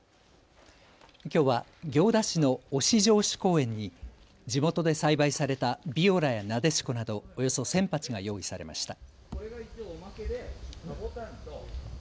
きょうは行田市の忍城址公園に地元で栽培されたビオラやナデシコなどおよそ１０００鉢が用意されました。